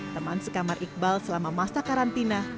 teman sekamar iqbal selama masa karantina